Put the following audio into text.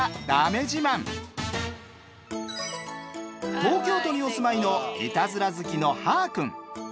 東京都にお住まいのいたずら好きのはーくん。